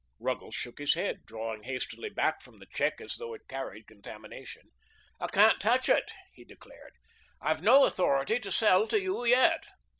Ruggles shook his head, drawing hastily back from the check as though it carried contamination. "I can't touch it," he declared. "I've no authority to sell to you yet."